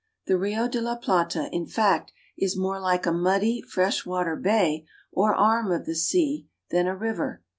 The Rio de la Plata, in fact, is more like a muddy fresh water bay or arm of the sea than a river.